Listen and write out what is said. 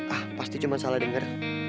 ah pasti cuma salah dengar